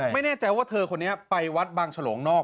ไม่แน่ใจว่าเธอคนนี้ไปวัดบางฉลงนอก